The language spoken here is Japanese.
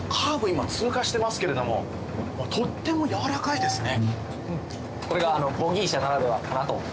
今通過してますけれどもとってもやわらかいですね。